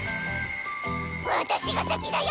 私が先だよ！